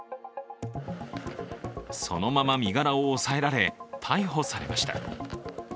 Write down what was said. そのまま身柄を抑えられ逮捕されました。